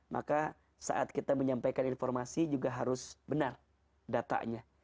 maka saat kita menyampaikan informasi juga harus benar datanya